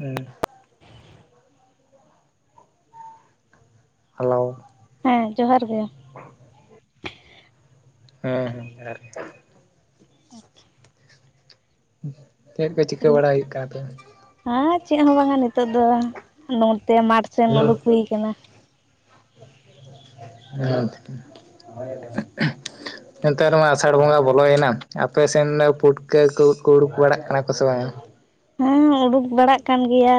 ᱦᱮᱸ ᱦᱮᱞᱳᱣ ᱦᱮᱸ ᱡᱚᱦᱟᱨ ᱜᱮ ᱦᱮᱸ ᱡᱚᱦᱟᱨ ᱜᱮ [unintelligible] ᱪᱮᱫ ᱠᱚ ᱪᱤᱠᱟᱹ ᱵᱟᱲᱟ ᱦᱩᱭᱩᱜ ᱠᱟᱱ [unintelligible] ᱦᱮᱸ ᱪᱮᱫ ᱦᱚᱸ ᱵᱟᱝ ᱟ ᱱᱤᱛᱚᱜ ᱫᱚ ᱱᱚᱛᱮ ᱢᱟᱴᱷ ᱥᱮᱱ ᱩᱰᱩᱠ ᱦᱩᱭ ᱠᱟᱱᱟ [unintelligible] ᱱᱮᱛᱟᱨ ᱢᱟ ᱟᱥᱟᱲ ᱵᱚᱸᱜᱟ ᱵᱚᱞᱚᱭᱮᱱᱟ ᱟᱯᱮ ᱥᱮᱱ ᱯᱩᱴᱠᱟᱹ ᱠᱩ ᱠᱩ ᱩᱰᱩᱠ ᱵᱟᱲᱟᱜ ᱠᱟᱱᱟ ᱠᱚ ᱥᱮ ᱵᱟᱝ ᱦᱮᱸ [unintelligible] ᱩᱰᱩᱠ ᱵᱟᱲᱟᱜ ᱠᱟᱱ ᱜᱮᱭᱟ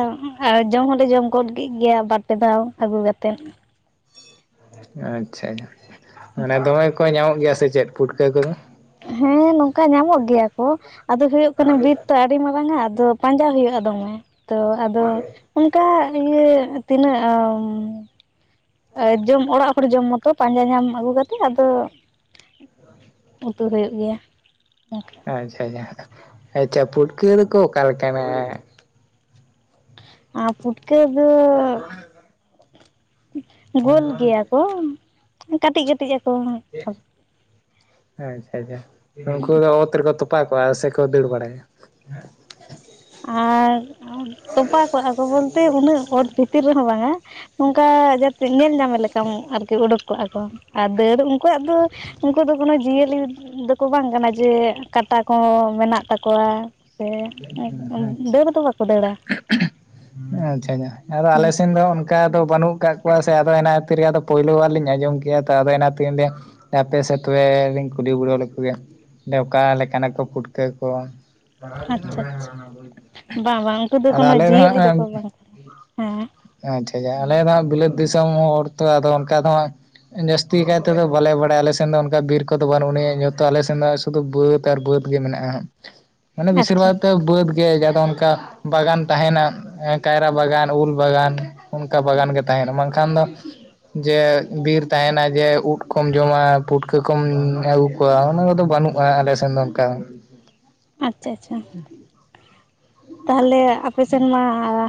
ᱟᱨ ᱡᱚᱢ ᱦᱚᱞᱮ ᱡᱚᱢ ᱜᱚᱫ ᱠᱮᱫ ᱜᱮᱭᱟ ᱵᱟᱨ ᱯᱮ ᱫᱷᱟᱣ ᱟᱹᱜᱩᱠᱟᱛᱮ ᱟᱪᱪᱷᱟ ᱢᱟᱱᱮ ᱫᱚᱢᱮ ᱠᱚ ᱧᱟᱢᱚᱜ ᱜᱮᱭᱟ ᱥᱮ ᱪᱮᱫ ᱯᱩᱴᱠᱟᱹ ᱠᱚᱫᱚ ᱦᱮᱸ ᱱᱚᱝᱠᱟ ᱧᱟᱢᱚᱜ ᱜᱤᱭᱟ ᱠᱚ, ᱟᱫᱚ ᱦᱳᱭᱳᱜ ᱠᱟᱱᱟ ᱵᱤᱨ [unintelligible] ᱟᱹᱰᱤ ᱢᱟᱨᱟᱝ ᱟ ᱟᱫᱚ ᱯᱟᱸᱡᱟ ᱦᱩᱭᱩᱜᱼᱟ ᱫᱚᱢᱮ ᱛᱚ ᱟᱫᱚ ᱚᱱᱠᱟ ᱤᱭᱟᱹ ᱛᱤᱱᱟᱹᱜ [unintelligible] ᱡᱚᱢ ᱚᱲᱟᱜ ᱦᱚᱲ ᱡᱚᱢ ᱢᱚᱛᱚ ᱯᱟᱸᱡᱟ ᱧᱟᱢ ᱟᱹᱜᱩ ᱠᱟᱛᱮ ᱟᱫᱚ ᱩᱛᱩ ᱫᱚ ᱦᱩᱭᱩᱜ ᱜᱮᱭᱟ [unintelligible] ᱟᱪᱪᱷᱟ ᱯᱩᱴᱠᱟᱹ ᱫᱚᱠᱚ ᱚᱠᱟᱞᱮᱠᱟᱱᱟ ᱟᱻ ᱯᱩᱴᱠᱟ. [unintelligible] [unintelligible] ᱜᱳᱞ ᱜᱮᱭᱟ ᱠᱚ ᱠᱟᱹᱴᱤᱡ ᱠᱟᱹᱴᱤᱡ ᱟᱠᱚ ᱟᱪᱪᱷᱟ ᱟᱪᱪᱷᱟ ᱱᱩᱝᱠᱩ ᱫᱚ ᱚᱛ ᱨᱮᱠᱚ ᱛᱚᱯᱟ ᱠᱚᱣᱟ ᱥᱮ ᱠᱚ ᱫᱟᱹᱲ ᱵᱟᱲᱟᱭᱟ ᱦᱩᱭ, ᱛᱚᱯᱟ ᱠᱚᱜᱼᱟ ᱠᱚ ᱵᱚᱞᱛᱮ ᱩᱱᱟᱹᱜ ᱚᱛ ᱵᱷᱤᱛᱤᱨ ᱨᱮᱦᱚᱸ ᱵᱟᱝᱟ ᱱᱚᱝᱠᱟ ᱡᱟᱛᱮ ᱧᱮᱞ ᱧᱟᱢᱮ ᱞᱮᱠᱟᱢ ᱟᱨᱠᱤ ᱤᱰᱳᱠ ᱠᱚᱜᱼᱟ ᱠᱚ ᱟᱨ ᱫᱟᱹᱲ ᱩᱱᱠᱩᱣᱟᱜ ᱫᱚ ᱩᱱᱠᱩ ᱫᱚ ᱠᱳᱱᱳ ᱡᱤᱭᱟᱹᱞᱤ ᱫᱚᱠᱚ ᱵᱟᱝ ᱠᱟᱱᱟ ᱡᱮ ᱠᱟᱴᱟ ᱠᱚᱻ ᱢᱮᱱᱟᱜ ᱛᱟᱠᱚᱣᱟ ᱦᱮᱸ ᱟᱭ ᱟᱪᱷᱟ ᱟᱪᱷᱟ ᱟᱪᱷᱟ ᱟᱫᱚ ᱟᱞᱮ ᱟᱪᱪᱷᱟ ᱥᱮᱱ ᱫᱚ ᱚᱱᱠ ᱚᱱᱠᱟ ᱫᱚ ᱵᱟᱹᱱᱩᱜ ᱠᱟᱫ ᱠᱚᱣᱟ ᱥᱮ ᱟᱫᱚ ᱮᱱᱟ ᱠᱷᱟᱹᱛᱤᱨ ᱜᱮ ᱟᱫᱚ ᱯᱳᱭᱞᱳ ᱵᱟᱨ ᱞᱤᱧ ᱟᱸᱚᱢ ᱠᱮᱜᱼᱟ ᱛᱚ ᱟᱫᱚ ᱮᱱᱟ ᱛᱤᱱ ᱫᱤᱱ ᱟᱯᱮ ᱥᱮᱛ ᱨᱮ ᱞᱤᱧ ᱠᱩᱞᱤ ᱵᱤᱞᱟᱹᱣ ᱞᱮᱫ ᱠᱚᱜᱮᱭᱟ ᱮᱻ ᱚᱠᱟ ᱞᱮᱠᱟᱱᱟᱠᱚ ᱯᱩᱴᱠᱟᱹ ᱠᱚ ᱟᱪᱷᱟ ᱟᱪᱷᱟ ᱵᱟᱝ ᱵᱟᱝ ᱩᱱᱠᱩ ᱫᱚ ᱟᱫᱚ ᱠᱳᱱᱳ ᱟᱞᱮ ᱡᱤᱭᱟᱹᱞᱤ ᱫᱚᱠᱚ ᱦᱟᱸᱜ ᱵᱟᱝ ᱦᱮᱸ ᱟᱪᱪᱷᱟ ᱪᱷᱟ ᱟᱞᱮ ᱫᱚ ᱦᱟᱜ ᱵᱤᱞᱟᱹᱛ ᱫᱤᱥᱚᱢ ᱦᱚᱲ ᱛᱚ ᱟᱫᱚ ᱚᱱᱠᱟ ᱫᱚ ᱦᱟᱸᱜ ᱡᱟᱹᱥᱛᱤ ᱠᱟᱭ ᱛᱮᱫᱚ ᱵᱟᱞᱮ ᱵᱟᱲᱟᱭᱟ ᱟᱞᱮᱥᱮᱱ ᱫᱚ ᱚᱱᱠᱟ ᱵᱤᱨ ᱠᱚᱫᱚ ᱵᱟᱹᱱᱩᱜ ᱱᱤᱭᱟᱹ ᱡᱚᱛᱚ ᱟᱞᱮᱥᱮᱱ ᱫᱚ ᱫᱚ ᱵᱟᱹᱫᱽ ᱟᱨ ᱵᱟᱹᱫᱽ ᱜᱮ ᱢᱮᱱᱟᱜᱼᱟ ᱦᱟᱸᱜ ᱢᱟᱱᱮ ᱵᱤᱥᱤᱨ ᱟᱪᱪᱷᱟ ᱵᱷᱟᱜᱽ ᱛᱮ ᱟᱪᱪᱷᱟ ᱵᱟᱹᱫᱽ ᱜᱮ ᱡᱟ ᱫᱚ ᱚᱱᱠᱟ ᱵᱟᱜᱟᱱ ᱛᱟᱦᱮᱱᱟ ᱠᱟᱭᱨᱟ ᱵᱟᱜᱟᱱ ᱩᱞ ᱵᱟᱜᱟᱱ ᱚᱱᱠᱟ ᱵᱟᱜᱟᱱ ᱜᱮ ᱛᱟᱦᱮᱱᱟ ᱵᱟᱝᱠᱷᱟᱱ ᱫᱚ ᱡᱮ ᱵᱤᱨ ᱛᱟᱦᱮᱱᱟ ᱡᱮ ᱩᱫ ᱠᱚᱢ ᱡᱚᱢᱟ ᱯᱩᱴᱠᱟᱹᱠᱚᱢ ᱟᱹᱜᱩ ᱠᱚᱣᱟ ᱚᱱᱟ ᱠᱚᱫᱚ ᱵᱟᱹᱱᱩᱜ-ᱟ ᱟᱞᱮᱥᱮᱱ ᱫᱚ ᱚᱱᱠᱟ ᱟᱪᱪᱷᱟ ᱟᱪᱪᱷᱟ ᱛᱟᱦᱚᱞᱮ ᱟᱯᱮᱥᱱ ᱢᱟ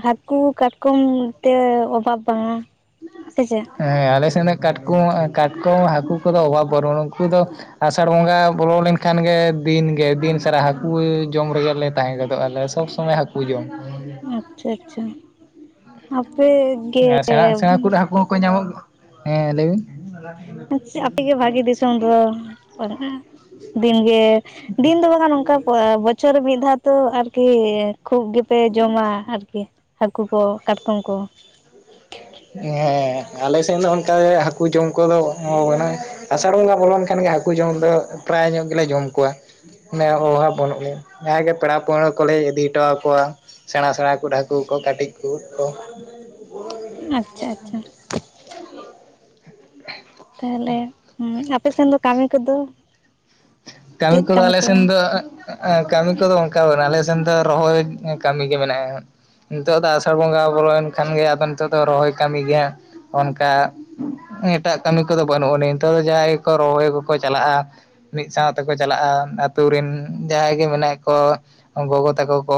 ᱦᱟᱹᱠᱩ ᱠᱟᱴᱠᱚᱢ ᱛᱮ ᱚᱵᱷᱟᱵᱽ ᱵᱟᱝᱟ ᱥᱮ ᱪᱮᱫ ᱦᱮᱸ ᱟᱞᱮᱥᱮᱫ ᱫᱚ ᱠᱟᱴᱠᱚᱢ ᱠᱟᱴᱠᱚᱢ ᱦᱟᱹᱠᱩ ᱠᱚᱫᱚ ᱚᱵᱷᱟᱵ ᱵᱟᱱᱩᱜ-ᱟ ᱩᱱᱠᱩ ᱫᱚ ᱟᱥᱟᱲ ᱵᱚᱸᱜᱟ ᱵᱚᱞᱚ ᱞᱮᱱᱠᱷᱟᱱ ᱜᱮ ᱫᱤᱱᱜᱮ ᱫᱤᱱ ᱥᱟᱨᱟ ᱦᱟᱹᱠᱩ ᱡᱚᱢ ᱨᱮᱜᱮᱞ ᱞᱮ ᱛᱟᱦᱮᱸ ᱜᱚᱫᱚᱜᱼᱟᱞᱮ ᱥᱚᱵᱥᱚ ᱢᱮ ᱦᱟᱹᱠᱩ ᱡᱚᱢ ᱟᱪᱪᱷᱟ ᱟᱪᱪᱷᱟ ᱟᱯᱮᱜᱮ ᱦᱟᱠᱩ ᱦᱚᱸᱠᱚ ᱧᱟᱢᱚᱜ ᱜᱮᱭᱟ ᱦᱮᱸ ᱞᱟᱹᱭ ᱵᱤᱱ ᱟᱯᱮᱜᱮ ᱵᱷᱟᱜᱮ ᱫᱤᱥᱚᱢ ᱫᱚ ᱫᱤᱱᱜᱮ ᱫᱤᱱ ᱫᱚ ᱵᱟᱝᱟᱱ ᱚᱱᱠᱟ ᱵᱚᱪᱷᱚᱨᱮ ᱢᱤᱫ ᱫᱷᱟᱣ ᱛᱚ ᱟᱨᱠᱤ ᱠᱷᱩᱵ ᱜᱮᱯᱮ ᱡᱚᱢᱟ ᱟᱨᱠᱤ ᱦᱟᱹᱠᱩ ᱠᱚ ᱠᱟᱴᱠᱚᱢ ᱠᱚ ᱦᱮᱸ ᱟᱞᱮ ᱥᱮᱫ ᱫᱚ ᱚᱱᱠᱟ ᱜᱮ ᱦᱟᱹᱠᱩ ᱡᱚᱢ ᱠᱚᱫᱚ ᱮᱸ ᱢᱟᱱᱮ ᱟᱥᱟᱲ ᱵᱚᱸᱜᱟ ᱵᱚᱞᱚᱱ ᱠᱷᱟᱱ ᱜᱮ ᱦᱟᱹᱠᱩ ᱡᱚᱢ ᱫᱚ ᱯᱨᱟᱭ ᱧᱚᱜ ᱜᱮᱞᱮ ᱡᱚᱢ ᱠᱚᱣᱟ ᱢᱟᱱᱮ ᱚᱵᱷᱟᱵ ᱵᱟᱹᱱᱩᱜ ᱞᱮᱭᱟ ᱡᱟᱦᱟᱸᱭ ᱜᱮ ᱯᱮᱲᱟ ᱯᱟᱹᱲᱦᱟᱹ ᱠᱚᱞᱮ ᱤᱫᱤ ᱦᱚᱴᱚ ᱟᱠᱚᱣᱟ ᱥᱮᱬᱟ ᱥᱮᱬᱟ ᱠᱚ ᱰᱟᱹᱠᱩ ᱠᱚ ᱠᱟᱹᱴᱤᱡ ᱠᱚ ᱟᱪᱪᱷᱟ ᱟᱪᱪᱷᱟ [inaudible] [inaudible] ᱛᱟᱦᱞᱮ ᱟᱯᱮ ᱥᱮᱱ ᱫᱚ ᱠᱟᱹᱢᱤ ᱠᱚᱫᱚ ᱠᱟᱹᱢᱤ ᱪᱮᱫ ᱠᱚᱫᱚ ᱟᱞᱮ ᱠᱚ ᱥᱮᱱ ᱫᱚ ᱠᱟᱹᱢᱤ ᱠᱚᱫᱚ ᱚᱱᱠᱟ ᱵᱟᱹᱱᱩᱜ ᱟᱞᱮ ᱥᱮᱱ ᱫᱚ ᱨᱚᱦᱚᱭ ᱠᱟᱹᱢᱤ ᱜᱮ ᱢᱮᱱᱟᱜᱼᱟ ᱱᱤᱛᱚᱜ ᱫᱚ ᱟᱥᱟᱲ ᱵᱚᱸᱜᱟ ᱵᱚᱞᱚᱭᱮᱱ ᱠᱷᱟᱱ ᱜᱮ ᱟᱫᱚ ᱱᱤᱛᱚᱜ ᱫᱚ ᱨᱚᱦᱚᱭ ᱠᱟᱹᱢᱤ ᱜᱮ ᱦᱟᱸᱜ ᱚᱱᱠᱟ ᱮᱴᱟᱜ ᱠᱟᱹᱢᱤ ᱠᱚᱫᱚ ᱵᱟᱹᱱᱩᱜ ᱟᱹᱱᱤᱡ ᱱᱮᱛᱟᱨ ᱫᱚ ᱡᱟᱦᱟᱸᱭ ᱜᱮᱠᱚ ᱨᱚᱦᱚᱭ ᱠᱚᱠᱚ ᱪᱟᱞᱟᱜᱼᱟ ᱢᱤᱫ ᱥᱟᱶ ᱛᱮᱠᱚ ᱪᱟᱞᱟᱜᱼᱟ ᱟᱛᱳ ᱨᱮᱱ ᱡᱟᱦᱟᱸᱭ ᱜᱮ ᱢᱮᱱᱟᱜ ᱠᱚ ᱜᱚᱜᱚ ᱛᱟᱠᱚ ᱠᱚ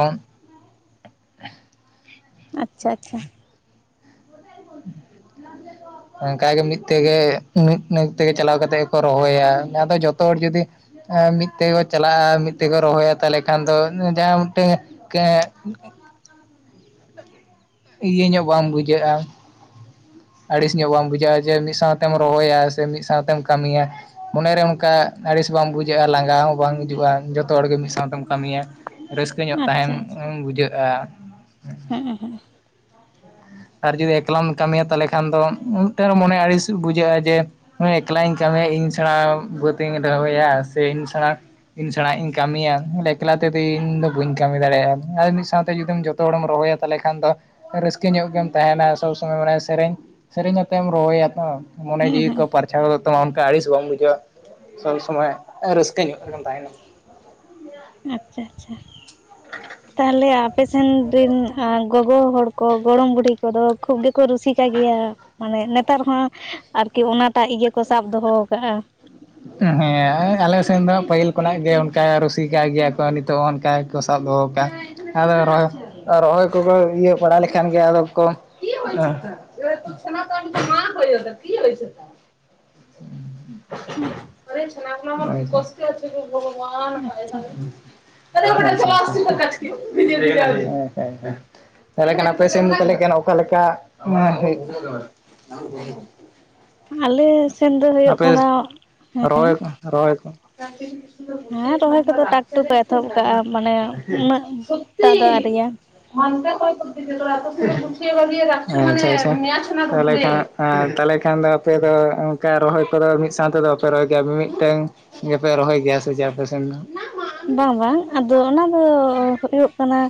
ᱟᱪᱪᱷᱟ ᱟᱪᱪᱷᱟ [inaudible] ᱚᱱᱠᱟᱜᱮ ᱢᱤᱫ ᱛᱮᱜᱮ ᱢᱤᱫ ᱛᱮᱜᱮ ᱪᱟᱞᱟᱣ ᱠᱟᱛᱮᱫ ᱜᱮᱠᱚ ᱨᱚᱦᱚᱭᱟ ᱚᱱᱟ ᱫᱚ ᱡᱚᱛᱚ ᱦᱚᱲ ᱡᱩᱫᱤ ᱢᱤᱫ ᱛᱮᱠᱚ ᱪᱟᱞᱟᱜᱼᱟ ᱢᱤᱫ ᱛᱮᱠᱚ ᱨᱚᱦᱚᱭᱟ ᱛᱟᱦᱞᱮ ᱠᱷᱟᱱ ᱫᱚ ᱡᱟᱦᱟᱸᱭ ᱢᱤᱫᱴᱟᱹᱝ ᱠᱮ ᱤᱭᱟᱹ ᱧᱚᱜ ᱵᱟᱝ ᱵᱩᱡᱷᱟᱹᱜᱼᱟ ᱟᱹᱲᱤᱥ ᱧᱚᱜ ᱵᱟᱢ ᱵᱩᱡᱷᱟᱹᱜᱼᱟ ᱡᱮ ᱢᱤᱫ ᱥᱟᱶᱛᱮᱢ ᱨᱚᱦᱚᱭᱟ ᱥᱮ ᱢᱤᱫ ᱥᱟᱶᱛᱮᱢ ᱠᱟᱹᱢᱤᱭᱟ ᱢᱚᱱᱮᱨᱮ ᱚᱱᱠᱟ ᱟᱹᱲᱤᱥ ᱵᱟᱢ ᱵᱩᱡᱷᱟᱹᱜᱼᱟ ᱞᱟᱸᱜᱟ ᱦᱚᱸ ᱵᱟᱝ ᱦᱤᱡᱩᱜᱼᱟ, ᱡᱚᱛᱚ ᱦᱚᱲᱜᱮ ᱢᱤᱫ ᱥᱟᱶᱛᱮᱢ ᱠᱟᱹᱢᱤᱭᱟ᱾ ᱾ ᱨᱟᱹᱥᱠᱟᱹ ᱧᱚᱜ ᱛᱟᱦᱮᱱ ᱟᱪᱪᱷᱟ ᱟᱪᱪᱷᱟ ᱵᱩᱡᱷᱟᱹᱜᱼᱟ ᱾ ᱦᱮᱸ ᱦᱮᱸ ᱼᱼ ᱟᱨ ᱡᱩᱫᱤ ᱮᱠᱞᱟᱢ ᱠᱟᱹᱢᱤᱭᱟ ᱛᱟᱞᱦᱮ ᱠᱷᱟᱱ ᱫᱚ ᱢᱤᱫᱴᱮᱱ ᱢᱚᱱᱮ ᱟᱹᱲᱤᱥ ᱵᱩᱡᱷᱟᱹᱜᱼᱟ ᱡᱮ ᱦᱮᱸ ᱮᱠᱞᱟᱧ ᱠᱟᱹᱢᱤᱭᱟ ᱤᱧ ᱥᱮᱬᱟ ᱵᱟᱹᱛᱤᱧ ᱨᱚᱦᱚᱭᱟ ᱥᱮ ᱤᱧ ᱥᱮᱬᱟ ᱤᱧ ᱥᱮᱬᱟᱜ ᱤᱧ ᱠᱟᱹᱢᱤᱭᱟ ᱮᱠᱞᱟ ᱛᱮᱫᱚ ᱤᱧ ᱫᱚ ᱵᱟᱹᱧ ᱠᱟᱹᱢᱤ ᱫᱟᱲᱮᱭᱟᱜ-ᱟ ᱟᱨ ᱢᱤᱫ ᱥᱟᱶᱛᱮ ᱡᱩᱫᱤᱢ ᱡᱚᱛᱚ ᱡᱚᱛᱚ ᱦᱚᱲᱮᱢ ᱨᱚᱦᱚᱭᱟ ᱛᱟᱦᱚᱞᱮ ᱠᱷᱟᱱ ᱫᱚ ᱨᱟᱹᱥᱠᱟᱹ ᱧᱚᱜ ᱜᱮᱢ ᱛᱟᱦᱮᱱᱟ ᱥᱚᱵ ᱥᱚᱢᱚᱭ ᱢᱟᱱᱮ ᱥᱮᱨᱮᱧ ᱥᱮᱨᱮᱧ ᱠᱟᱛᱮᱢ ᱨᱚᱦᱚᱭᱟ ᱛᱚ ᱢᱚᱱᱮ ᱦᱮᱸ ᱡᱤᱣᱤ ᱦᱮᱸ ᱠᱚ ᱯᱟᱨ [unintelligible] ᱚᱱᱠᱟ ᱟᱹᱲᱤᱥ ᱵᱟᱢ ᱵᱩᱡᱷᱟᱹᱣᱟ ᱥᱚᱵᱽ ᱥᱚᱢᱚᱭ ᱨᱟᱹᱥᱠᱟᱹ ᱧᱚᱜ ᱨᱮᱢ ᱛᱟᱦᱮᱱᱟ ᱟᱪᱪᱷᱟ ᱟᱪᱪᱷᱟ ᱦ ᱛᱟᱦᱞᱮ ᱟᱯᱮᱥᱱ ᱨᱤᱱ ᱮᱸ ᱜᱚᱜᱚ ᱦᱚᱲ ᱠᱚ ᱜᱚᱲᱚᱢ ᱵᱩᱰᱦᱤ ᱠᱚᱫᱚ ᱠᱷᱩᱵ ᱜᱮᱠᱚ ᱨᱩᱥᱤᱠᱟ ᱜᱮᱭᱟ ᱢᱟᱱᱮ ᱱᱮᱛᱟᱨ ᱦᱚᱸ ᱟᱨᱠᱤ ᱚᱱᱟᱴᱟᱜ ᱤᱭᱟᱹ ᱠᱚ ᱥᱟᱵ ᱫᱚᱦᱚ ᱟᱠᱟᱜ-ᱟ ᱦᱮᱸ ᱟᱞᱮ ᱥᱮᱱ ᱫᱚ ᱯᱟᱹᱦᱤᱞ ᱠᱷᱚᱱᱟᱜ ᱜᱮ ᱚᱱᱠᱟ ᱨᱩᱥᱤᱠᱟ ᱜᱮᱭᱟ ᱠᱚ᱾ ᱱᱤᱛᱚᱜ ᱚᱱᱠᱟ ᱥᱟᱵᱽ ᱫᱚᱦᱚ ᱠᱟᱜᱼᱟ, ᱟᱫᱚ ᱟᱨ ᱨᱚᱦᱚᱭ ᱠᱚᱠᱚ [unintelligible] ᱵᱟᱲᱟ ᱞᱮᱠᱷᱟᱱ ᱜᱮ ᱟᱫᱚ ᱠᱚ [inaudible] [unintelligible] ᱟᱪᱪᱷᱟ [unintelligible] [unintelligible] ᱛᱟᱦᱞᱮ ᱠᱷᱟᱱ ᱟᱯᱮ ᱥᱮᱱ [inaudible] ᱚᱠᱟ ᱞᱮᱠᱟ ᱦᱩᱭᱩᱜ ᱼᱼ ᱟᱞᱮ ᱥᱮᱱ ᱫᱚ ᱦᱳᱭᱳᱜ ᱟᱯᱮ ᱠᱟᱱᱟ ᱼᱼ ᱨᱚᱦᱚᱭ ᱠᱚ ᱨᱚᱦᱚᱭ ᱠᱚ ᱼᱼ ᱦᱮᱸ ᱨᱚᱦᱚᱭ ᱠᱚᱫᱚ ᱴᱟᱠ ᱴᱩᱠ ᱠᱚ ᱮᱛᱚᱦᱚᱵ ᱠᱟᱜᱼᱟ ᱢᱟᱱᱮ ᱩᱱᱟᱹᱜ ᱴᱟᱜ ᱫᱚ ᱟᱹᱣᱨᱤᱭᱟ [unintelligible] [unintelligible] ᱦᱮᱸ ᱟᱪᱷᱟ ᱟᱪᱷᱟ [inaudible] ᱛᱟᱦᱞᱮ ᱠᱷᱟᱱ ᱫᱚ ᱟᱯᱮ ᱫᱚ ᱚᱱᱠᱟ ᱨᱚᱦᱚᱭ ᱠᱚᱫᱚ ᱢᱤᱫ ᱥᱟᱶ ᱛᱮᱫᱚ ᱼᱼ ᱯᱮ ᱨᱚᱦᱚᱭ [inaudible] ᱢᱤᱫ ᱴᱮᱝ ᱜᱮᱯᱮ ᱨᱚᱦᱚᱭ ᱠᱮᱭᱟ ᱥᱮ ᱪᱮᱫ ᱟᱯᱮ ᱥᱮᱱ ᱫᱚ? ᱵᱟᱝ ᱵᱟᱝ ᱟᱫᱚ ᱚᱱᱟ ᱫᱚ ᱦᱩᱭᱩᱜ ᱼᱼ ᱠᱟᱱᱟ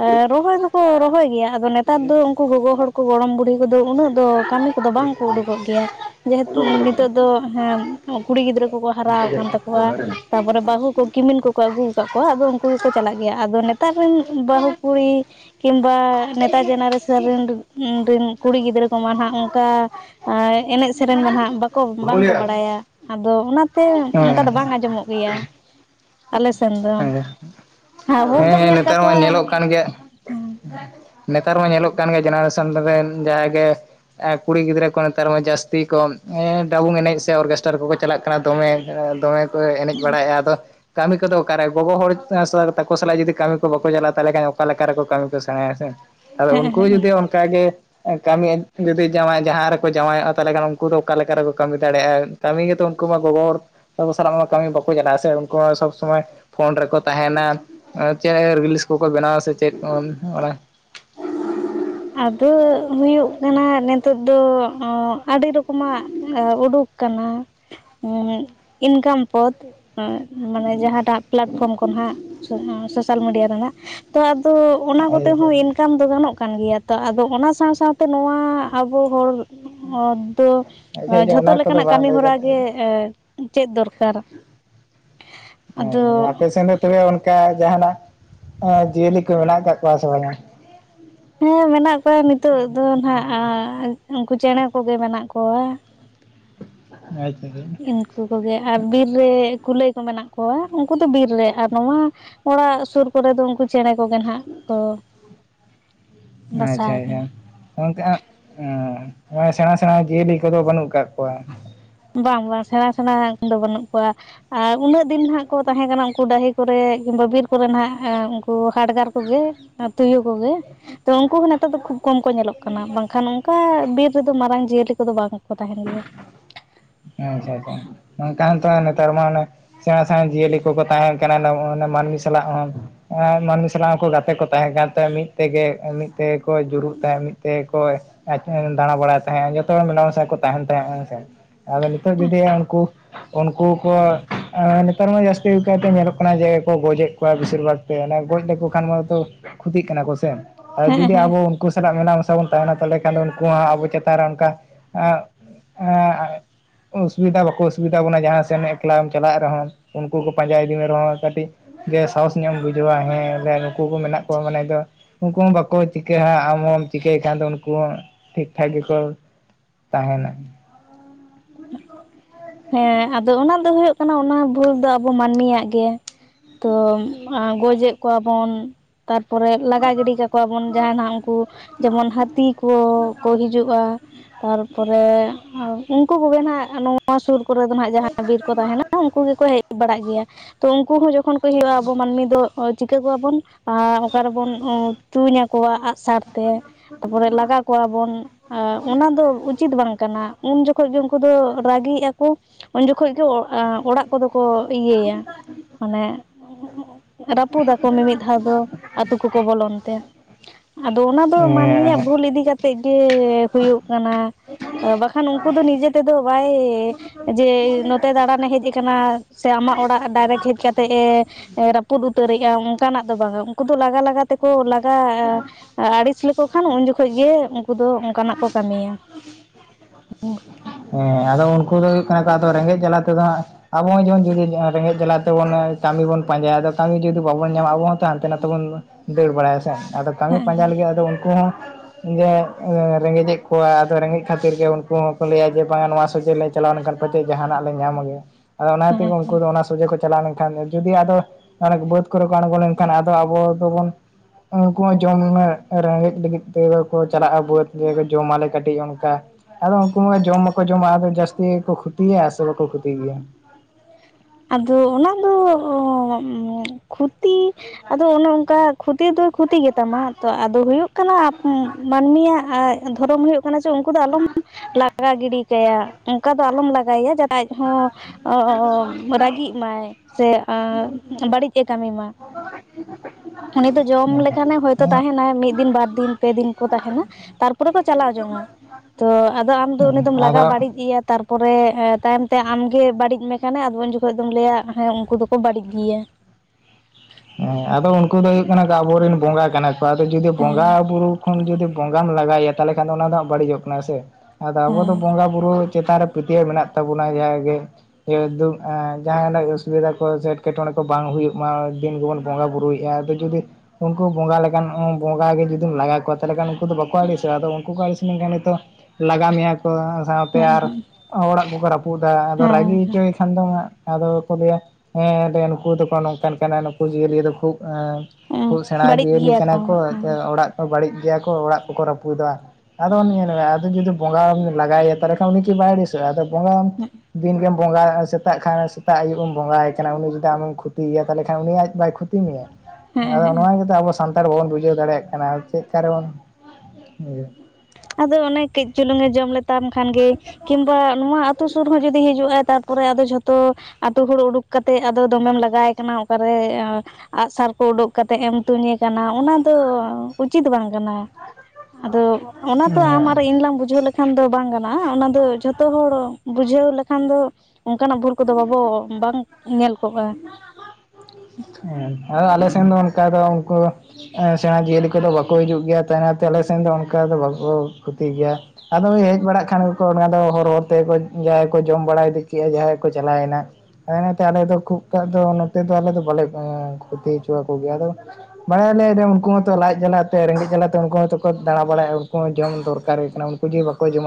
ᱮ ᱨᱚᱦᱚᱭ ᱫᱚᱠᱚ ᱨᱚᱦᱚᱭ ᱜᱮᱭᱟ ᱟᱫᱚ ᱱᱮᱛᱟᱨ ᱫᱚ ᱩᱱᱠᱩ ᱜᱚᱜᱚ ᱦᱚᱲ ᱠᱚ ᱜᱚᱲᱚᱢ ᱵᱩᱰᱷᱤ ᱼᱼ ᱠᱚᱫᱚ ᱩᱱᱟᱹᱜ ᱫᱚ ᱠᱟᱹᱢᱤ ᱠᱚᱫᱚ ᱵᱟᱝ ᱠᱚ ᱩᱰᱩᱠᱚᱜ ᱜᱮᱭᱟ ᱡᱮ ᱦᱤᱛ ᱮᱸ ᱱᱤᱛᱚᱜ ᱫᱚ ᱦᱮᱸ ᱠᱩᱲᱤ ᱜᱤᱫᱽᱨᱟᱹ ᱠᱚᱠᱚ ᱦᱟᱨᱟᱣ ᱟᱠᱟᱱ ᱛᱟᱠᱚᱣᱟ ᱾ ᱛᱟᱯᱚᱨᱮ ᱵᱟᱹᱦᱩ ᱠᱚ ᱠᱤᱢᱤᱱ ᱠᱚᱠᱚ ᱟᱹᱜᱩ ᱠᱟᱜ ᱠᱚᱣᱟ ᱟᱫᱚ ᱩᱱᱠᱩ ᱜᱮᱠᱚ ᱪᱟᱞᱟᱜ ᱜᱮᱭᱟ ᱟᱫᱚ ᱱᱮᱛᱟᱨ ᱨᱮᱱ ᱼᱼ ᱵᱟᱹᱦᱩ ᱠᱩᱲᱤ ᱠᱤᱢᱵᱟ ᱱᱮᱛᱟ ᱡᱮᱱᱟᱨᱮᱥᱚᱱ ᱨᱮᱱ ᱼᱼ ᱨᱮᱱ ᱠᱩᱲᱤ ᱜᱤᱫᱽᱨᱟᱹ ᱠᱚᱢᱟ ᱦᱟᱸᱜ ᱚᱱᱠᱟ ᱼᱼ ᱮᱱᱮᱡ ᱥᱮᱨᱮᱧ ᱢᱟ ᱱᱟᱜ ᱵᱟᱠᱚ ᱵᱟᱝᱠᱚ ᱵᱟᱲᱟᱭᱟ ᱼᱼ ᱟᱫᱚ ᱚᱱᱟᱛᱮ ᱚᱱᱠᱟ ᱫᱚ ᱵᱟᱝ ᱟᱸᱡᱚᱢᱚᱜ ᱜᱮᱭᱟ ᱟᱞᱮ ᱥᱮᱱ ᱫᱚ ᱾ ᱦᱮᱸ ᱦᱮᱸ ᱱᱮᱛᱟᱨ ᱢᱟ ᱧᱮᱞᱚᱜ ᱠᱟᱱ ᱜᱮ ᱼᱼ ᱱᱮᱛᱟᱨ ᱢᱟ ᱧᱮᱞᱚᱜ ᱠᱟᱱ ᱜᱮ ᱡᱮᱱᱟᱨᱮᱥᱚᱱ ᱨᱮᱱ ᱡᱟᱦᱟᱸᱭ ᱜᱮ ᱼᱼ ᱠᱩᱲᱤ ᱜᱤᱫᱽᱨᱟᱹ ᱠᱚ ᱱᱮᱛᱟᱨ ᱢᱟ ᱡᱟᱹᱥᱛᱤ ᱠᱚ ᱰᱟᱵᱩᱝ ᱮᱱᱮᱡ ᱥᱮ ᱚᱨᱠᱮᱥᱴᱟᱨ ᱠᱚᱠᱚ ᱪᱟᱞᱟᱜ ᱼᱼ ᱫᱚᱢᱮ ᱮ ᱫᱚᱢᱮ ᱠᱚ ᱮᱱᱮᱡ ᱵᱟᱲᱟᱭᱮᱫᱼᱟ ᱟᱫᱚ ᱾ ᱠᱟᱹᱢᱤ ᱠᱚᱫᱚ ᱚᱠᱟᱨᱮ ᱜᱚᱜᱚ ᱦᱚᱲ ᱛᱟᱠᱚ ᱥᱟᱞᱟᱜ ᱡᱩᱫᱤ ᱠᱟᱢᱤ ᱠᱚ ᱵᱟᱠᱚ ᱪᱟᱞᱟᱜᱼᱟ ᱛᱟᱦᱚᱞᱮ ᱠᱷᱟᱱ ᱚᱠᱟ ᱞᱮᱠᱟ ᱨᱮᱠᱚ ᱠᱟᱹᱢᱤ ᱠᱚ ᱥᱮᱬᱟᱭᱟ ᱥᱮ ᱼᱼ ᱟᱫᱚ ᱩᱱᱠᱩ ᱡᱩᱫᱤ ᱚᱱᱠᱟᱜ ᱜᱮ ᱼᱼ ᱠᱟᱹᱢᱤ ᱡᱩᱫᱤ ᱡᱟᱶᱟᱭ ᱡᱟᱦᱟᱸ ᱨᱮᱠᱚ ᱡᱟᱶᱟᱭᱚᱜᱼᱟ ᱛᱟᱦᱞᱮ ᱠᱷᱟᱱ ᱩᱱᱠᱩ ᱫᱚ ᱚᱠᱟᱞ ᱞᱮᱠᱟ ᱨᱮᱠᱚ ᱠᱟᱹᱢᱤ ᱫᱟᱲᱮᱭᱟᱜᱼᱟ ᱾ ᱠᱟᱹᱢᱤ ᱜᱮᱛᱚ ᱩᱱᱠᱩ ᱢᱟ ᱜᱚᱜᱚ ᱦᱚᱲ ᱛᱟᱠᱚ ᱥᱟᱞᱟᱜ ᱢᱟ ᱠᱟᱹᱢᱤ ᱵᱟᱠᱚ ᱪᱟᱞᱟᱜᱼᱟ ᱥᱮ ᱾ ᱥᱚᱵᱽ ᱥᱚᱢᱚᱭ ᱯᱷᱳᱱ ᱨᱮᱠᱚ ᱛᱟᱦᱮᱱᱟ ᱾ ᱪᱮᱫ ᱨᱤᱞᱤᱥ ᱠᱚᱠᱚ ᱵᱮᱱᱟᱣᱟ ᱥᱮ ᱪᱮᱫ [unintelligible] ᱟᱫᱚ ᱦᱩᱭᱩᱜ ᱠᱟᱱᱟ ᱱᱤᱛᱚᱜ ᱫᱚ ᱟᱹᱰᱤ ᱨᱚᱠᱚᱢᱟᱜ ᱩᱰᱩᱠ ᱠᱟᱱᱟ ᱤᱱᱠᱟᱢ ᱯᱚᱫ ᱾ ᱢᱟᱱᱮ ᱡᱟᱦᱟᱴᱟᱜ ᱯᱞᱟᱴᱯᱷᱚᱨᱚᱢ ᱠᱚ ᱱᱟᱸᱦᱟᱜ ᱥᱳᱥᱟᱞ ᱢᱤᱰᱤᱭᱟ ᱨᱮᱱᱟᱜ ᱛᱚ ᱟᱵᱩ ᱚᱱᱟ ᱠᱚᱛᱮ ᱦᱚᱸ ᱟᱪᱪᱷᱟ ᱤᱱᱠᱟᱢ ᱫᱚ ᱜᱟᱱᱚᱜ ᱠᱟᱱ ᱜᱮᱭᱟ ᱛᱚ, ᱟᱫᱚ ᱚᱱᱟ ᱥᱟᱶ ᱥᱟᱶᱛᱮ ᱱᱚᱣᱟ ᱟᱵᱚ ᱦᱚᱲ [unintelligible] ᱫᱚ ᱟᱪᱪᱷᱟ ᱡᱷᱚᱛᱚ ᱚᱱᱟ ᱠᱚᱫᱚ ᱞᱮᱠᱟᱱᱟᱜ ᱵᱟᱝ ᱠᱟᱹᱢᱤ ᱞᱟᱹᱭ ᱦᱚᱨᱟ ᱠᱟᱛᱮ ᱜᱮ ᱪᱮᱫ ᱫᱚᱨᱠᱟᱨ᱾ ᱟᱫᱚ ᱦ ᱟᱯᱮ ᱥᱮ ᱛᱚᱵᱮ ᱚᱱᱠᱟ ᱡᱟᱦᱟᱸᱱᱟᱜ ᱡᱤᱭᱟᱹᱞᱤ ᱠᱚ ᱢᱮᱱᱟᱜ ᱟᱠᱟᱫ ᱠᱚᱣᱟ ᱥᱮ ᱵᱟᱝ-ᱟ? ᱦᱮᱸ ᱢᱮᱱᱟᱜ ᱠᱚᱣᱟ ᱱᱤᱛᱚᱜ ᱫᱚ ᱱᱟᱦᱟᱜ ᱮ ᱩᱱᱠᱩ ᱪᱮᱬᱮ ᱠᱚᱜᱮ ᱢᱮᱱᱟᱜ ᱠᱚᱣᱟ ᱾ [inaudible] ᱩᱱᱠᱩ ᱠᱚᱜᱮ ᱟᱨ ᱵᱤᱨ ᱨᱮ ᱠᱩᱞᱟᱹᱭ ᱠᱚ ᱢᱮᱱᱟᱜ ᱠᱚᱣᱟ ᱩᱱᱠᱩ ᱫᱚ ᱵᱤᱨ ᱨᱮ ᱟᱨ ᱱᱚᱶᱟ ᱼᱼ ᱚᱲᱟᱜ ᱥᱩᱨ ᱠᱚᱨᱮ ᱫᱚ ᱩᱱᱠᱩ ᱪᱮᱬᱮ ᱠᱚᱜᱮ ᱱᱟᱦᱟᱜ ᱠᱚ ᱵᱟᱥᱟ ᱟᱪᱪᱷᱟ ᱟᱠᱟᱱᱟ ᱟᱪᱪᱷᱟ [unintelligible] ᱥᱮᱬᱟ ᱥᱮᱬᱟ ᱡᱤᱭᱟᱹᱞᱤ ᱠᱚᱫᱚ ᱵᱟᱹᱱᱩᱜ ᱠᱟᱜ ᱠᱚᱣᱟ ᱾ ᱵᱟᱝ ᱵᱟᱝ ᱥᱮᱬᱟ ᱥᱮᱬᱟ [unintelligible] ᱵᱟᱹᱱᱩᱜ ᱠᱚᱣᱟ ᱟᱨ ᱩᱱᱟᱹᱜ ᱫᱤᱱ ᱦᱟᱸᱜ ᱠᱚ ᱛᱟᱦᱮᱸ ᱠᱟᱱᱟ ᱩᱱᱠᱩ ᱰᱟᱦᱤ ᱠᱚᱨᱮᱜ ᱠᱤᱝᱵᱟ ᱵᱤᱨ ᱠᱚᱨᱮᱱ ᱦᱟᱸᱜ ᱩᱱᱠᱩ ᱦᱟᱰᱜᱟᱨ ᱠᱚᱜᱮ ᱾ ᱛᱩᱭᱩ ᱠᱚᱜᱮ ᱾ ᱛᱚ ᱩᱱᱠᱩ ᱦᱚᱸ ᱱᱮᱛᱚᱜ ᱫᱚ ᱠᱷᱩᱵ ᱠᱚᱢ ᱠᱚ ᱧᱮᱞᱚᱜ ᱠᱟᱱᱟ ᱵᱟᱝᱠᱷᱟᱱ ᱚᱱᱠᱟ ᱵᱤᱨ ᱨᱮᱫᱚ ᱢᱟᱨᱟᱝ ᱡᱤᱭᱟᱹᱞᱤ ᱠᱚ ᱫᱚ ᱵᱟᱝ ᱠᱚ ᱛᱟᱦᱮᱱ ᱜᱮᱭᱟ ᱟᱪᱪᱷᱟ ᱪᱷᱟ ᱱᱚᱠᱟ ᱛᱚ ᱱᱮᱛᱟᱨ ᱢᱟᱱᱮ ᱥᱮᱬᱟ ᱥᱮᱬᱟ ᱡᱤᱭᱟᱹᱞᱤ ᱠᱚᱠᱚ ᱛᱟᱦᱮᱱ ᱠᱟᱱᱟ ᱱᱚᱜ ᱢᱟᱹᱱᱢᱤ ᱥᱟᱞᱟᱜ ᱦᱚᱸ ᱢᱟᱹᱱᱢᱤ ᱥᱟᱞᱟᱜ ᱦᱚᱠᱚ ᱜᱟᱛᱮ ᱠᱚ ᱛᱟᱦᱮᱸ ᱠᱟᱱ ᱛᱟᱦᱮᱸ ᱢᱤᱫ ᱛᱮᱜᱮ ᱢᱤᱫ ᱛᱮᱜᱮ ᱠᱚ ᱡᱩᱨᱩᱜ ᱛᱟᱦᱮᱸᱜ ᱢᱤᱫ ᱛᱮᱜᱮ ᱠᱚ ᱟᱡ ᱫᱟᱬᱟ ᱵᱟᱲᱟᱭ ᱛᱟᱦᱮᱸᱜ, ᱡᱚᱛᱚ ᱦᱚᱲ ᱢᱮᱞᱟ ᱢᱮᱥᱟ ᱠᱚ ᱛᱟᱦᱮᱸᱱ ᱛᱟᱦᱮᱸᱜ ᱦᱮᱸ ᱥᱮ᱾ ᱟᱫᱚ ᱱᱤᱛᱚᱜ ᱡᱩᱫᱤ ᱩᱱᱠᱩ ᱩᱱᱠᱩ ᱠᱚ ᱱᱮᱛᱟᱨ ᱢᱟ ᱡᱟᱹᱥᱛᱤ ᱠᱟᱭᱛᱮ ᱧᱮᱞᱚᱜ ᱠᱟᱱᱟ ᱡᱮ ᱠᱚ ᱜᱚᱡᱮᱫ ᱠᱚᱣᱟ ᱵᱮᱥᱤᱨ ᱵᱷᱟᱜᱽ ᱛᱮ ᱜᱚᱡ ᱞᱮᱠᱚ ᱠᱷᱟᱱ ᱢᱟᱛᱚ ᱠᱷᱚᱛᱤᱜ ᱠᱟᱱᱟ ᱠᱚᱥᱮ ᱟᱨ ᱦᱮᱸ ᱡᱩᱫᱤ ᱦᱮᱸ ᱟᱵᱚ ᱩᱱᱠᱩ ᱥᱟᱞᱟᱜ ᱢᱮᱞᱟ ᱢᱮᱥᱟ ᱵᱚᱱ ᱛᱟᱦᱮᱱᱟ ᱛᱟᱦᱚᱞᱮ ᱠᱷᱟᱱ ᱩᱱᱠᱩ ᱦᱚᱸ ᱟᱵᱚ ᱪᱮᱛᱟᱱ ᱨᱮ ᱚᱱᱠᱟ ᱚᱥᱩᱵᱤᱫᱟ ᱵᱟᱠᱚ ᱚᱥᱩᱵᱤᱫᱟ ᱵᱚᱱᱟ ᱡᱟᱦᱟᱸ ᱥᱮᱱ ᱮᱠᱞᱟᱢ ᱪᱟᱞᱟᱜ ᱨᱮᱦᱚᱸ ᱩᱱᱠᱩ ᱠᱚ ᱯᱟᱸᱡᱟ ᱤᱫᱤᱢ ᱨᱮᱦᱚᱸ ᱠᱟᱹᱴᱤᱡ ᱡ ᱥᱟᱦᱚᱥ ᱧᱚᱜ ᱮᱢ ᱵᱩᱡᱷᱟᱹᱣᱟ ᱦᱮᱸ ᱵᱮ ᱱᱩᱠᱩ ᱠᱚ ᱢᱮᱱᱟᱜ ᱠᱚᱣᱟ ᱢᱟᱱᱮ ᱫᱚ ᱩᱱᱠᱩ ᱦᱚᱸ ᱵᱟᱠᱚ ᱪᱤᱠᱟᱹᱦᱟ᱾ ᱟᱢ ᱦᱚᱸᱢ ᱪᱤᱠᱟᱹᱭ ᱠᱷᱟᱱ ᱫᱚ ᱩᱱᱠᱩ ᱦᱚᱸ ᱴᱷᱤᱠ ᱴᱷᱟᱠ ᱜᱮᱠᱚ ᱛᱟᱦᱮᱱᱟ ᱦᱮᱸ ᱟᱫᱚ ᱚᱱᱟ ᱫᱚ ᱦᱩᱭᱩᱜᱜ ᱠᱟᱱᱟ ᱚᱱᱟ ᱵᱷᱩᱞ ᱫᱚ ᱟᱵᱚ ᱢᱟᱹᱱᱢᱤᱭᱟᱜ ᱜᱮ ᱛᱚ ᱜᱚᱡᱮᱫ ᱠᱚᱣᱟ ᱵᱚᱱ ᱛᱟᱨᱯᱚᱨᱮ ᱞᱟᱜᱟ ᱜᱤᱰᱤ ᱠᱟᱠᱚᱣᱟ ᱵᱚᱱ ᱡᱟᱦᱟ ᱦᱱᱟᱜ ᱩᱱᱠᱩ ᱡᱮᱢᱚᱱ ᱦᱟᱹᱛᱤ ᱠᱚᱠᱚ ᱦᱤᱡᱩᱜᱼᱟ ᱛᱟᱨᱯᱚᱨᱮ ᱩᱱᱠᱩ ᱠᱚᱜᱮ ᱦᱟᱸᱜ ᱱᱚᱣᱟ ᱱᱚᱣᱟ ᱥᱩᱨ ᱠᱚᱨᱮ ᱫᱚ ᱦᱟᱸᱜ ᱡᱟᱦᱟᱸ ᱵᱤᱨ ᱠᱚ ᱛᱟᱦᱮᱱᱟ ᱩᱱᱠᱩ ᱜᱮᱠᱚ ᱦᱮᱡ ᱵᱟᱲᱟᱜ ᱜᱮᱭᱟ᱾ ᱛᱚ ᱩᱱᱠᱩ ᱦᱚᱸ ᱡᱚᱠᱷᱚᱱ ᱠᱚ ᱦᱤᱭᱩᱜᱼᱟ ᱟᱵᱚ ᱢᱟᱹᱱᱢᱤ ᱫᱚ ᱪᱤᱠᱟᱹ ᱠᱚᱣᱟᱵᱚᱱ? ᱟᱨ ᱚᱠᱟᱨᱮᱵᱩᱱ ᱛᱩᱧ ᱟᱠᱚᱣᱟ ᱟᱜᱥᱟᱨ ᱛᱮ ᱛᱟᱯᱚᱨᱮ ᱞᱟᱜᱟ ᱠᱚᱣᱟ ᱵᱚᱱ ᱚᱱᱟ ᱫᱚ ᱩᱪᱤᱛ ᱵᱟᱝ ᱠᱟᱱᱟ ᱩᱱ ᱡᱚᱠᱷᱚᱱ ᱜᱮ ᱩᱱᱠᱩ ᱫᱚ ᱨᱟᱜᱤ ᱩᱱ ᱡᱚᱠᱷᱚᱡ ᱜᱮ ᱚᱲᱟᱜ ᱠᱚᱫᱚ ᱠᱚ ᱤᱭᱟᱹᱭᱟ ᱢᱟᱱᱮ ᱨᱟᱹᱯᱩᱫᱟᱠᱚ ᱢᱤᱢᱤᱫ ᱫᱷᱟᱣ ᱫᱚ ᱟᱛᱩ ᱠᱚᱠᱚ ᱵᱚᱞᱚᱱ ᱛᱮ ᱟᱫᱚ ᱚᱱᱟ ᱫᱚ ᱢᱟᱹᱱᱢᱤᱭᱟᱜ ᱮᱸ ᱵᱷᱩᱞ ᱤᱫᱤ ᱠᱟᱛᱮᱫ ᱛᱮᱫ ᱜᱮ ᱦᱩᱭᱩᱜ ᱠᱟᱱᱟ ᱵᱟᱠᱷᱟᱱ ᱩᱱᱠᱩ ᱫᱚ ᱱᱤᱡᱮ ᱛᱮᱫᱚ ᱟᱭ ᱡᱮ ᱱᱚᱛᱮ ᱫᱟᱬᱟᱱ ᱦᱮᱡ ᱟᱠᱟᱱᱟ ᱥᱮ ᱟᱢᱟᱜ ᱚᱲᱟᱜ ᱰᱟᱭᱨᱮᱠᱴ ᱦᱮᱡ ᱠᱟᱛᱮ ᱮ ᱨᱟᱹᱯᱩᱫ ᱩᱛᱟᱹᱨᱮᱜᱼᱟ ᱚᱱᱠᱟᱱᱟᱜ ᱫᱚ ᱵᱟᱝᱟ ᱩᱱᱠᱩ ᱫᱚ ᱞᱟᱜᱟ ᱞᱟᱜᱟ ᱛᱮᱠᱚ ᱞᱟᱜᱟ ᱟᱹᱲᱤᱥ ᱞᱮᱠᱚ ᱠᱷᱟᱱ ᱩᱱ ᱡᱚᱠᱷᱚᱱ ᱜᱮ ᱩᱱᱠᱩ ᱫᱚ ᱚᱱᱠᱟᱱᱟᱜ ᱠᱚ ᱠᱟᱹᱢᱤᱭᱟ ᱦᱮᱸ ᱟᱫᱚ ᱩᱱᱠᱩ ᱫᱚ ᱦᱩᱭᱩᱜ ᱠᱟᱱᱟ ᱠᱚ ᱟᱫᱚ ᱨᱮᱸᱜᱮᱡ ᱡᱟᱞᱟ ᱛᱮᱫᱚ ᱦᱟᱸᱜ ᱟᱵᱚ ᱦᱚᱸ ᱡᱮᱢᱚᱱ ᱡᱩᱫᱤ ᱨᱮᱸᱜᱮᱡ ᱡᱟᱞᱟ ᱛᱮᱵᱚᱱ ᱠᱟᱹᱢᱤ ᱵᱚᱱ ᱯᱟᱸᱡᱟᱭᱫᱟ᱾ ᱠᱟᱹᱢᱤ ᱡᱩᱫᱤ ᱵᱟᱵᱚᱱ ᱧᱟᱢᱟ, ᱟᱵᱚ ᱦᱚᱸᱛᱚ ᱦᱟᱱᱛᱮ ᱱᱟᱛᱮ ᱵᱚᱱ ᱫᱟᱹᱲ ᱵᱟᱲᱟᱭᱟ ᱥᱮ ᱟᱫᱚ ᱠᱟᱹᱢᱤ ᱦᱮᱸ ᱯᱟᱸᱡᱟ ᱞᱟᱹᱜᱤᱫ ᱟᱫᱚ ᱩᱱᱠᱩ ᱦᱚᱸ ᱡᱮ ᱨᱮᱸᱜᱮᱡᱮᱫ ᱠᱚᱣᱟ ᱟᱫᱚ ᱨᱮᱸᱜᱮᱡ ᱠᱷᱟᱹᱛᱤᱨ ᱜᱮ ᱩᱱᱠᱩ ᱦᱚᱸᱠᱚ ᱞᱟᱹᱭᱟ ᱡᱮ ᱵᱟᱝᱟ ᱱᱚᱣᱟ ᱥᱚᱡᱮ ᱪᱟᱞᱟᱣ ᱞᱮᱱᱠᱷᱟᱱ ᱯᱟᱪᱮᱫ ᱡᱟᱦᱟᱱᱟᱜ ᱞᱮ ᱧᱟᱢᱚᱜ ᱜᱮᱭᱟ ᱟᱫᱚ ᱚᱱᱟ ᱦᱮᱸ ᱛᱮᱜᱮ ᱦᱮᱸ ᱩᱱᱠᱩ ᱚᱱᱟ ᱥᱚᱡᱷᱮ ᱠᱚ ᱪᱟᱞᱟᱣ ᱞᱮᱱᱠᱷᱟᱱ ᱡᱩᱫᱤ ᱟᱫᱚ ᱵᱟᱹᱫᱽ ᱠᱚᱨᱮ ᱠᱚ ᱟᱬᱜᱚ ᱞᱮᱱᱠᱷᱟᱱ ᱟᱫᱚ ᱟᱵᱚ ᱫᱚᱵᱚᱱ ᱩᱱᱠᱩ ᱦᱚᱸ ᱡᱚᱢᱼᱟ ᱨᱮᱸᱜᱮᱡ ᱞᱟᱹᱜᱤᱫ ᱛᱮ ᱫᱚ ᱠᱚ ᱪᱟᱞᱟᱜᱼᱟ ᱵᱳᱛ ᱨᱮ ᱡᱚᱢᱼᱟ ᱟᱞᱮ ᱠᱟᱹᱴᱤᱡ ᱚᱱᱠᱟ ᱟᱫᱚ ᱩᱱᱠᱩ ᱢᱟ ᱡᱚᱢ ᱢᱟᱠᱚ ᱡᱚᱢᱟ ᱟᱫᱚ ᱡᱟᱹᱥᱛᱤ ᱠᱚ ᱠᱷᱚᱛᱤᱭᱟ ᱥᱮ ᱵᱟᱠᱩ ᱠᱷᱩᱚᱛᱤᱭ ᱜᱮᱭᱟ ᱟᱫᱚ ᱚᱱᱟ ᱫᱚ ᱠᱷᱩᱛᱤ ᱟᱫᱚ ᱚᱱᱮ ᱚᱱᱠᱟ ᱠᱷᱚᱛᱤ ᱫᱚᱭ ᱠᱷᱚᱛᱤ ᱜᱮᱛᱟᱢᱟ᱾ ᱛᱚ ᱟᱫᱚ ᱦᱩᱭᱩᱜ ᱠᱟᱱᱟ ᱢᱟᱹᱱᱢᱤᱭᱟᱜ ᱫᱷᱚᱨᱚᱢ ᱦᱩᱭᱩᱜ ᱠᱟᱱᱟ ᱡᱮ ᱩᱱᱠᱩ ᱫᱚ ᱟᱞᱚᱢ ᱞᱟᱜᱟ ᱜᱤᱰᱤ ᱠᱟᱭᱟ ᱚᱱᱠᱟ ᱫᱚ ᱟᱞᱚᱢ ᱞᱟᱜᱟᱭᱮᱭᱟ ᱡᱟ ᱟᱡ ᱦᱚᱸ ᱨᱟᱹᱜᱤᱜ ᱢᱟᱭ ᱥᱮ ᱵᱟᱹᱲᱤᱡ ᱮ ᱠᱟᱹᱢᱤ ᱢᱟ ᱩᱱᱤᱫᱚ ᱡᱚᱢ ᱞᱮᱠᱷᱟᱱᱮ ᱦᱚᱭᱛᱚ ᱦᱮᱸ ᱛᱟᱦᱮᱸᱱᱟᱭ, ᱢᱤᱫ ᱫᱤᱱ ᱵᱟᱨ ᱫᱤᱱ ᱯᱮ ᱫᱤᱱ ᱠᱚ ᱛᱟᱦᱮᱸᱱᱟ᱾ ᱛᱟᱨᱯᱚᱨᱮ ᱠᱚ ᱪᱟᱞᱟᱣ ᱡᱚᱝᱼᱟ ᱛᱚ ᱟᱫᱚ ᱟᱢ ᱫᱚ ᱩᱱᱤ ᱫᱚᱢ ᱞᱟᱜᱟᱣ ᱟᱫᱚ ᱵᱟᱲᱤᱡ ᱛᱟᱨᱯᱚᱨᱮ ᱛᱟᱭᱚᱢᱛᱮ ᱟᱢᱜᱮ ᱵᱟᱹᱲᱤᱡ ᱢᱮᱠᱟᱱᱮ ᱡ ᱩᱱ ᱡᱚᱠᱷᱚᱱ ᱫᱚᱢ ᱞᱟᱹᱭᱟ ᱦᱮᱸ ᱩᱱᱠᱩ ᱫᱚᱠᱚ ᱵᱟᱹᱲᱤᱡ ᱜᱮᱭᱟ ᱦᱮᱸ, ᱟᱫᱚ ᱩᱱᱠᱩ ᱫᱚ ᱦᱩᱭᱩᱜ ᱠᱟᱱᱟ ᱠᱚ ᱟᱵᱚᱨᱮᱱ ᱵᱚᱸᱜᱟ ᱠᱟᱱᱟ ᱠᱚ᱾ ᱟᱫᱚ ᱡᱩᱫᱤ ᱦᱮᱸ ᱵᱚᱸᱜᱟ ᱵᱩᱨᱩ ᱟᱢ ᱡᱩᱫᱤ ᱵᱚᱸᱜᱟᱢ ᱞᱟᱜᱟᱭᱮᱭᱟ, ᱛᱟᱦᱚᱞᱮ ᱠᱷᱟᱱ ᱫᱚ ᱚᱱᱟ ᱫᱚ ᱵᱟᱹᱲᱤᱡᱚᱜ ᱠᱟᱱᱟ ᱥᱮ᱾ ᱟᱫᱚ ᱟᱵᱚ ᱫᱚ ᱦᱮᱸ ᱵᱚᱸᱜᱟ ᱵᱩᱨᱩ ᱪᱮᱛᱟᱱ ᱨᱮ ᱯᱟᱹᱛᱭᱟᱹᱣ ᱢᱮᱱᱟᱜ ᱛᱟᱵᱚᱱᱟ ᱡᱟᱦᱟᱸ ᱜᱮ ᱮᱼᱫᱩᱼᱟ ᱡᱟᱦᱟᱱᱟᱜ ᱚᱥᱩᱵᱤᱫᱟ ᱠᱚ ᱥᱮ ᱮᱴᱠᱮᱴᱚᱬᱮ ᱠᱚ ᱵᱟᱝ ᱦᱩᱭᱩᱜᱼᱢᱟ᱾ ᱫᱤᱱ ᱜᱮᱼᱵᱚᱱ ᱵᱚᱸᱜᱟ ᱵᱩᱨᱩᱭᱮᱫᱼᱟ ᱟᱫᱚ ᱡᱩᱫᱤ ᱩᱱᱠᱩ ᱵᱚᱸᱜᱟ ᱞᱮᱠᱟᱱ ᱦᱚᱸ ᱵᱚᱸᱜᱟ ᱜᱮ ᱡᱩᱫᱤᱢ ᱞᱟᱜᱟ ᱠᱚᱣᱟ ᱛᱟᱦᱚᱞᱮ ᱠᱷᱟᱱ ᱩᱱᱠᱩ ᱫᱚ ᱵᱟᱠᱚ ᱟᱹᱲᱤᱥᱚᱜᱼᱟ ᱟᱫᱚ ᱩᱱᱠᱩ ᱠᱚ ᱟᱹᱲᱤᱥ ᱞᱮᱱ ᱠᱷᱟᱱ ᱱᱤᱛᱚᱜ ᱞᱟᱜᱟ ᱢᱮᱭᱟ ᱠᱚ ᱥᱟᱶᱛᱮ ᱦᱮᱸ ᱟᱨ ᱦᱮᱸ ᱚᱲᱟᱜ ᱠᱚᱠᱚ ᱨᱟᱹᱯᱩᱫᱼᱫᱟ, ᱟᱫᱚ ᱨᱟᱹᱜᱤ ᱦᱮᱸ ᱦᱚᱪᱚᱭ ᱠᱷᱟᱱ ᱠᱷᱟᱱ ᱫᱚ ᱦᱟᱸᱜ ᱟᱫᱚ ᱠᱚ ᱞᱟᱹᱭᱟ ᱦᱮᱸ ᱫᱮᱱ ᱱᱩᱠᱩ ᱫᱚᱠᱚ ᱱᱚᱝ ᱠᱟᱱ ᱠᱟᱱᱟ ᱱᱩᱠᱩ ᱡᱤᱭᱟᱹᱞᱤ ᱫᱚ ᱠᱷᱩᱵᱽ ᱦᱮᱸ ᱠᱷᱩᱵᱽ ᱥᱮᱬᱟ ᱵᱟᱹᱲᱤᱡ ᱡᱤᱭᱟᱹᱞᱤ ᱜᱮᱭᱟ ᱠᱟᱱᱟ ᱠᱚ ᱮᱱ ᱦᱮᱸ ᱚᱲᱟᱜ ᱠᱚ ᱵᱟᱹᱲᱤᱡ ᱜᱮᱭᱟ ᱠᱚ ᱚᱲᱟᱜ ᱠᱚᱠᱚ ᱨᱟᱹᱯᱩᱼᱫᱟ ᱟᱫᱚ ᱢᱮᱱᱼᱫᱟ ᱟᱫᱚ ᱡᱩᱫᱤ ᱵᱚᱸᱜᱟᱢ ᱞᱟᱜᱟᱭᱮᱭᱟ ᱛᱟᱦᱚᱞᱮ ᱠᱷᱟᱱ ᱩᱱᱤ ᱠᱤ ᱵᱟᱭ ᱟᱹᱲᱤᱥᱚᱜᱼᱟ ᱟᱫᱚ ᱵᱚᱸᱜᱟ ᱫᱤᱱᱜᱮ ᱵᱚᱸᱜᱟ ᱥᱮᱛᱟᱜ ᱠᱷᱟᱱ ᱥᱮᱛᱟᱜ ᱟᱹᱭᱩᱵᱮᱢ ᱵᱚᱸᱜᱟᱭᱮ ᱠᱟᱱᱟ ᱩᱱᱤ ᱡᱩᱫᱤ ᱟᱢᱮᱢ ᱠᱷᱚᱛᱤᱭᱮᱭᱟ ᱛᱟᱦᱚᱞᱮ ᱠᱷᱟᱱ ᱩᱱᱤᱭᱟᱜ ᱵᱟᱭ ᱠᱷᱚᱛᱤ ᱢᱮᱭᱟ, ᱦᱮᱸ ᱟᱫᱚ ᱦᱮᱸ ᱱᱚᱣᱟ ᱤᱭᱟᱹᱛᱮ ᱥᱟᱱᱛᱟᱲ ᱵᱟᱵᱚᱱ ᱵᱩᱡᱷᱟᱹᱣ ᱫᱟᱲᱮᱭᱟᱜ ᱠᱟᱱᱟ ᱪᱮᱫᱠᱟ ᱨᱮᱵᱚᱱ ᱟᱫᱚ ᱚᱱᱮ ᱠᱟᱹᱡ ᱪᱩᱞᱩᱝᱼᱮ ᱡᱚᱢ ᱞᱮ ᱛᱟᱢ ᱠᱷᱟᱱ ᱜᱮ, ᱠᱤᱢᱵᱟ ᱱᱚᱣᱟ ᱟᱹᱛᱩ ᱥᱩᱨ ᱦᱚᱸ ᱡᱚᱫᱤ ᱦᱤᱡᱩᱜᱼᱟ ᱛᱟᱨᱯᱚᱨᱮ ᱟᱫᱚ ᱡᱷᱚᱛᱚ ᱟᱛᱳ ᱦᱚᱲ ᱩᱰᱩᱠ ᱠᱟᱛᱮᱜ ᱟᱫᱚ ᱫᱚᱢᱮᱢ ᱞᱟᱜᱟᱭᱮ ᱠᱟᱱᱟ ᱚᱠᱟᱨᱮ ᱟᱜᱼᱥᱟᱨ ᱠᱚ ᱩᱰᱩᱠ ᱠᱟᱛᱮᱫ ᱮᱢ ᱛᱩᱧᱤ ᱠᱟᱱᱟ ᱚᱱᱟ ᱫᱚ ᱩᱪᱤᱛ ᱵᱟᱝ ᱠᱟᱱᱟ ᱦᱮᱸ [unintelligible] ᱛᱤᱱ ᱞᱟᱝ ᱵᱩᱡᱷᱟᱹᱣ ᱞᱮᱠᱷᱟᱱ ᱫᱚ ᱵᱟᱝ ᱜᱟᱱᱚᱼᱟ, ᱚᱱᱟ ᱫᱚ ᱡᱷᱚᱛᱚ ᱦᱚᱲ ᱵᱩᱡᱷᱟᱹᱣ ᱞᱮᱠᱷᱟᱱ ᱫᱚ ᱚᱱᱠᱟᱱᱼᱟᱜ ᱵᱷᱩᱞ ᱠᱚᱫᱚ ᱵᱟᱵᱚ ᱵᱟᱝ ᱧᱮᱞ ᱠᱚᱜᱼᱟ, [unintelligible] ᱦᱮᱸᱼ ᱟᱞᱮ ᱥᱮᱱ ᱫᱚ ᱚᱱᱠᱟ ᱫᱚ ᱩᱱᱠᱩ ᱥᱮᱬᱟ ᱡᱤᱭᱟᱹᱞᱤ ᱠᱚᱫᱚ ᱵᱟᱠᱚ ᱦᱤᱡᱩᱜ ᱜᱮᱭᱟ ᱛᱟᱦᱮᱱᱟ ᱛᱮ ᱟᱞᱮ ᱥᱮᱱ ᱫᱚ ᱚᱱᱠᱟ ᱫᱚ ᱵᱟᱠᱚ ᱠᱷᱚᱛᱤ ᱜᱮᱭᱟ ᱟᱫᱚ ᱦᱮᱡ ᱵᱟᱲᱟᱜ ᱠᱷᱟᱱ ᱜᱮᱠᱚ ᱚᱱᱟ ᱫᱚ ᱦᱚᱨ ᱦᱚᱨ ᱛᱮ ᱡᱟᱦᱟᱸᱭ ᱠᱚ ᱡᱚᱢ ᱵᱟᱲᱟᱭ ᱤᱫᱤ ᱠᱮᱜᱼᱟ ᱡᱟᱦᱟᱸᱭ ᱠᱚ ᱪᱟᱞᱟᱣᱮᱱᱟ ᱦᱮᱸᱱᱟᱛᱮ ᱟᱞᱮ ᱫᱚ ᱠᱷᱩᱵ ᱠᱟᱜ ᱫᱚ ᱱᱚᱛᱮ ᱟᱞᱮ ᱫᱚ ᱵᱟᱞᱮ--ᱟᱸᱠᱷᱩᱛᱤ ᱦᱚᱪᱚᱼᱟ ᱠᱚᱜᱮᱭᱟ ᱟᱫᱚ ᱵᱟᱲᱟᱭᱟᱞᱮ ᱡᱮ ᱩᱱᱠᱩ ᱦᱚᱸᱛᱚ ᱞᱟᱡ ᱡᱟᱞᱟ ᱛᱮ ᱨᱮᱸᱜᱮᱡ ᱡᱟᱞᱟ ᱛᱮ ᱩᱱᱠᱩ ᱦᱚᱸᱛᱚ ᱠᱚ ᱫᱟᱬᱟ ᱵᱟᱲᱟᱭᱟ ᱩᱱᱠᱩ ᱦᱚᱸ ᱡᱚᱢ ᱫᱚᱨᱠᱟᱨ ᱜᱮ ᱠᱟᱱᱟ ᱩᱱᱠᱩ ᱜᱮ ᱵᱟᱠᱚ ᱡᱚᱢᱟ